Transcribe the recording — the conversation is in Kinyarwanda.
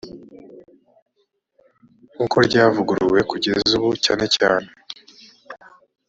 nk uko ryavuguruwe kugeza ubu cyane cyane